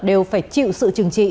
đều phải chịu sự trừng trị